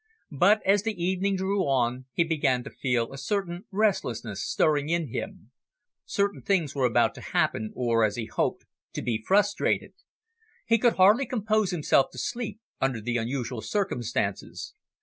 But, as the evening drew on, he began to feel a certain restlessness stirring in him. Certain things were about to happen, or, as he hoped, to be frustrated. He could hardly compose himself to sleep under the unusual circumstances.